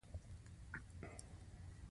ګډ يا مخلوط ټابليټونه: